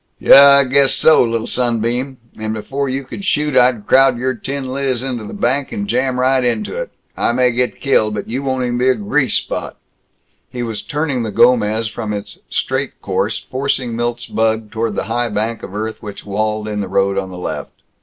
"Yuh, I guess so, lil sunbeam. And before you could shoot, I'd crowd your tin liz into the bank, and jam right into it! I may get killed, but you won't even be a grease spot!" He was turning the Gomez from its straight course, forcing Milt's bug toward the high bank of earth which walled in the road on the left.